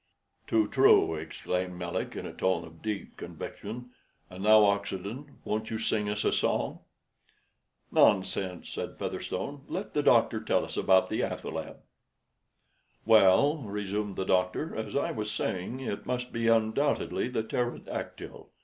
"Too true," exclaimed Melick, in a tone of deep conviction; "and now, Oxenden, won't you sing us a song?" "Nonsense," said Featherstone; "let the doctor tell us about the athaleb." "Well," resumed the doctor, "as I was saying, it must be undoubtedly the pterodactyl.